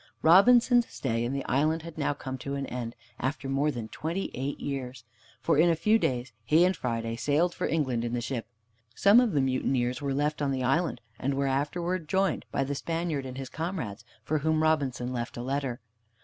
Robinson's stay in the island had now come to an end, after more than twenty eight years, for in a few days he and Friday sailed for England in the ship. Some of the mutineers were left on the island, and were afterwards joined by the Spaniard and his comrades, for whom Robinson left a letter.